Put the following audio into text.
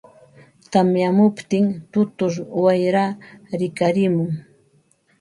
tamyamuptin tutur wayraa rikarimun.